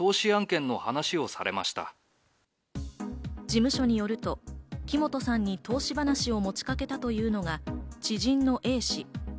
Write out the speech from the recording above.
事務所によると、木本さんに投資話を持ちかけたというのが知人のＡ氏。